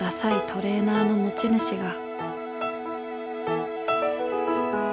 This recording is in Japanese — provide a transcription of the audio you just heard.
トレーナーの持ち主が」。